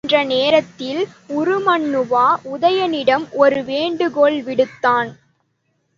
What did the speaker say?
புறப்படுகின்ற நேரத்தில் உருமண்ணுவா, உதயணனிடம் ஒரு வேண்டுகோள் விடுத்தான்.